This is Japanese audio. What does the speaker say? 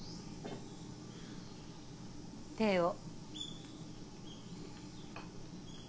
手を。